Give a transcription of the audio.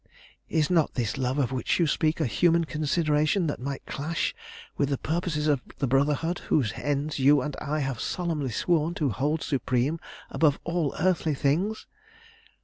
_' Is not this love of which you speak a human consideration that might clash with the purposes of the Brotherhood whose ends you and I have solemnly sworn to hold supreme above all earthly things?